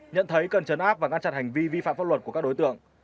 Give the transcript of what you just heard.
nhận thấy cần chấn áp và ngăn chặn hành vi vi phạm pháp luật của các đối tượng